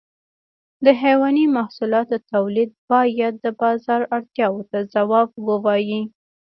د حيواني محصولاتو تولید باید د بازار اړتیاو ته ځواب ووایي.